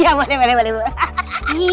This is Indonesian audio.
ya boleh boleh boleh